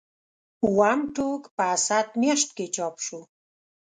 اووم ټوک په اسد میاشت کې چاپ شو.